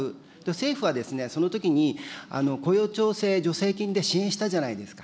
政府は、そのときに雇用調整助成金で支援したじゃないですか。